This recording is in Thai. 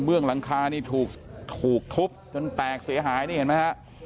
กระเบื้องหลังคานี่ถูกถุบจนแตกเสียหายนี่เห็นมั้ยครับ